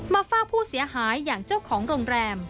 ฝากผู้เสียหายอย่างเจ้าของโรงแรม